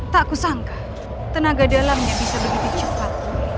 tak kusangka tenaga dalamnya bisa begitu cepat